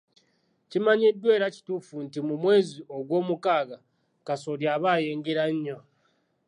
Kimanyiddwa era kituufu nti mu mwezi ogw'omukaaga kasooli aba ayengera nnyo.